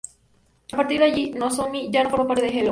A partir de aquí, Nozomi ya no forma parte de Hello!